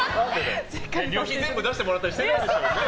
旅費全部出してもらったりしてない？